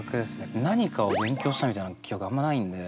何かを勉強したみたいな記憶があんまないんで。